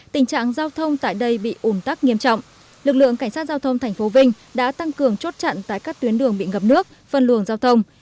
tình trạng giao thông tại đây bị ủn tắc nghiêm trọng lực lượng cảnh sát giao thông tp vinh đã tăng cường chốt chặn tại các tuyến đường bị ngập nước phân luồng giao thông